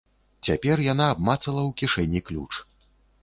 Цяпер яна абмацала ў кішэні ключ.